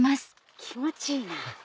気持ちいいな。